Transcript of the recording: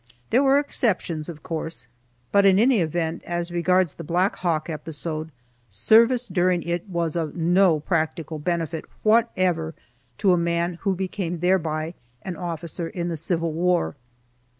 There were exceptions, of course, but in any event, as regards the Black Hawk episode, service during it was of no practical benefit whatever to a man who became thereby an officer in the Civil war.